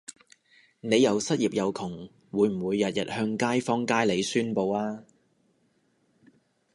你又失業又窮會唔會日日向街坊街里宣佈吖？